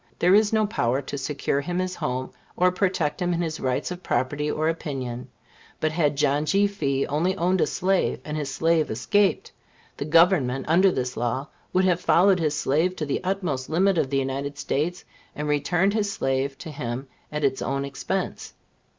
There is no power to secure him his home, or protect him in his rights of property or opinion. But had John G. Fee only owned a slave, and his slave escaped, the Government, under this law, would have followed his slave to the utmost limit of the United States, and returned his slave to him at its own expense.